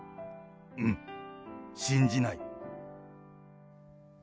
うん、信じない。